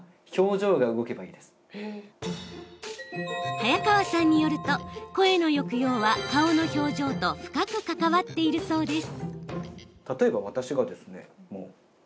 早川さんによると、声の抑揚は顔の表情と深く関わっているそうです。